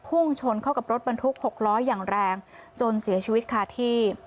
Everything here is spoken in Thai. พุ่งชนเข้ากับรถบรรทุก๖ล้ออย่างแรงจนเสียชีวิตคาที่